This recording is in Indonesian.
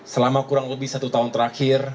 selama kurang lebih satu tahun terakhir